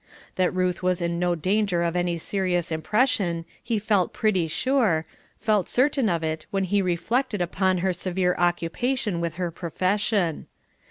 That Ruth was in no danger of any serious impression he felt pretty sure, felt certain of it when he reflected upon her severe occupation with her profession.